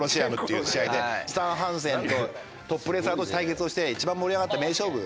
スタン・ハンセンとトップレスラー同士対決をして一番盛り上がった名勝負。